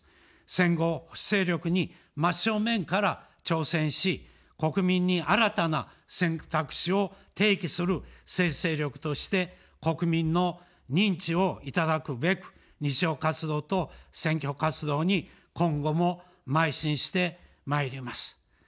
戦後、保守勢力に真正面から挑戦し、国民に新たな選択肢を提起する政治勢力として国民の認知をいただくべく、日常活動と選挙活動に今後もまい進してまいります。